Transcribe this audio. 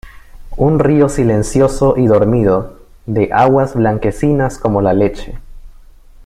un río silencioso y dormido, de aguas blanquecinas como la leche